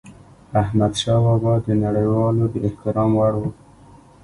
احمدشاه بابا د نړيوالو د احترام وړ و.